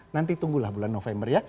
nanti tunggulah bulan november ya